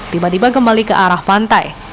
tiba tiba kembali ke arah pantai